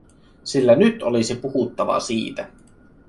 Sillä nyt olisi puhuttava siitä.